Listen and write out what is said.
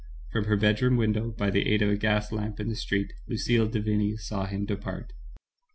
From her bedroom window, by the aid of a gas lamp in the street, Lucille de Vigny saw him depart.